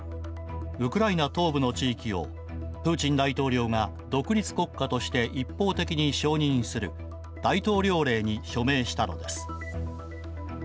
ウクライナ東部の地域をプーチン大統領が独立国家として一方的に承認する大統領令に署名したのです。